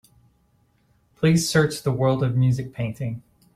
Please search The World of Music painting.